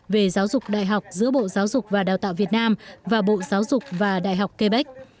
về giáo dục đại học giữa bộ giáo dục và đào tạo việt nam và bộ giáo dục và đại học quebec